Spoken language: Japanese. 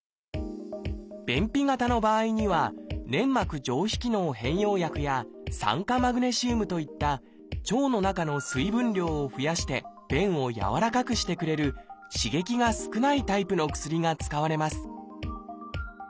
便秘型の場合には粘膜上皮機能変容薬や酸化マグネシウムといった腸の中の水分量を増やして便を軟らかくしてくれる刺激が少ないタイプの薬が使われます。